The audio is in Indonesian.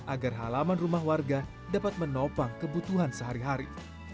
agar halaman rumah warga dapat menopang kebutuhan sehari hari